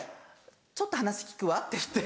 「ちょっと話聞くわ」って言って。